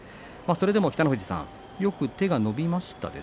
それでも北の富士さんよく手が伸びましたね。